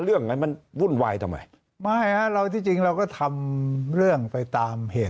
เรื่องไงมันวุ่นวายทำไมไม่ฮะเราที่จริงเราก็ทำเรื่องไปตามเหตุ